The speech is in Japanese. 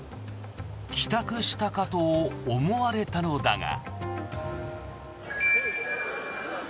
帰宅したかと思われたのだが。